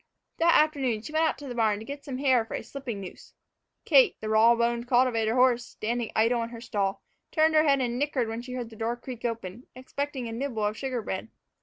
That afternoon she went out to the barn to get some hair for a slipping noose. Kate, the raw boned cultivator horse, standing idle in her stall, turned her head and nickered when she heard the door creak open, expecting a nibble of sugar bread.